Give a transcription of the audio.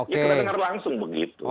kita dengar langsung begitu